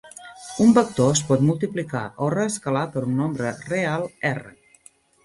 Un vector es pot multiplicar o reescalar per un nombre real "r".